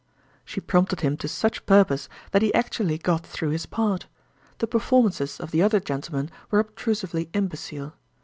She prompted him to such purpose that he actually got through his part. The performances of the other gentlemen were obtrusively imbecile.